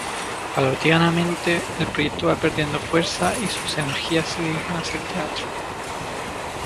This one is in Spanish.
Paulatinamente, el proyecto va perdiendo fuerza y sus energías se dirigen hacia el teatro.